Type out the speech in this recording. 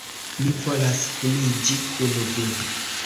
Mi volas kuniĝi kun vi!